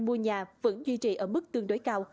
mua nhà vẫn duy trì ở mức tương đối cao